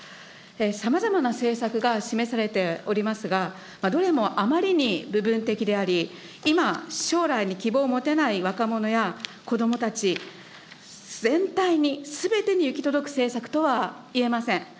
さまざまな政策が示されておりますが、どれもあまりに部分的であり、今、将来に希望を持てない若者や子どもたち、全体に、すべてに行き届く政策とはいえません。